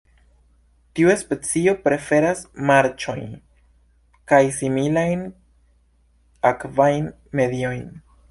Tiu specio preferas marĉojn kaj similajn akvajn mediojn.